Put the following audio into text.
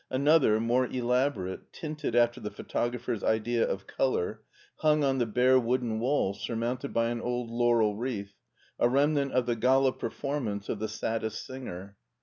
Another, more elaborate, tinted after the photographer's idea of color, hung on the bare wooden wall surmounted by an old laurel wreath, a remnant of the pala performance of " The Saddest Singer."